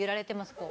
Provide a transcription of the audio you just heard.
こう。